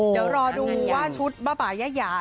เดี๋ยวรอดูว่าชุดบะปะแหยะ